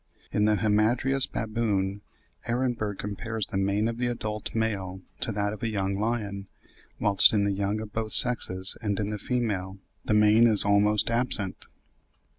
In the Hamadryas baboon, Ehrenberg compares the mane of the adult male to that of a young lion, whilst in the young of both sexes and in the female the mane is almost absent.